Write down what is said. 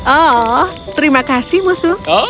oh terima kasih musuh